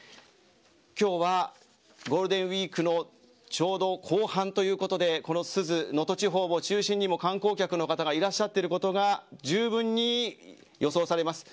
今日はゴールデンウイークのちょうど後半ということでこの珠洲、能登地方を中心に観光客の方がいらっしゃっていることがじゅうぶんに予想されます。